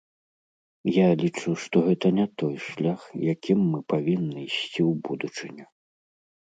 Я лічу, што гэта не той шлях, якім мы павінны ісці ў будучыню.